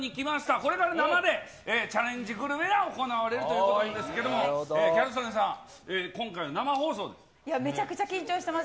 これから生で、チャレンジグルメが行われるということなんですけれども、ギャルめちゃくちゃ緊張してます。